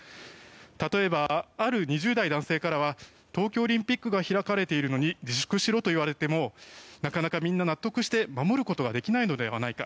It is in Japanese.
例えば、ある２０代男性からは東京オリンピックが開かれているのに自粛しろと言われてもなかなかみんな納得して守ることはできないのではないか。